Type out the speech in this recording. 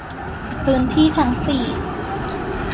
พื้นที่ทั้ง สี่